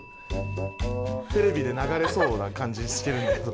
テレビで流れそうな感じしてるんだけど。